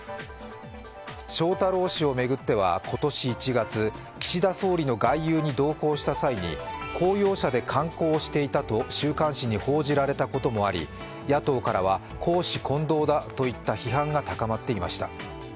翔太郎氏を巡っては今年１月、岸田総理の外遊に同行した際に公用車で観光をしていたと週刊誌に報じられたこともあり野党からは公私混同だといった批判が高まっていました。